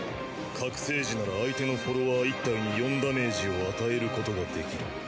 覚醒時なら相手のフォロワー１体に４ダメージを与えることができる。